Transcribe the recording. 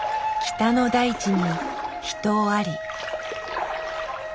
北の大地に秘湯あり。